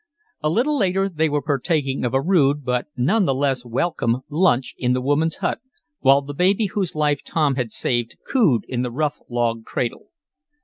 A little later they were partaking of a rude, but none the less welcome, lunch in the woman's hut, while the baby whose life Tom had saved cooed in the rough log cradle.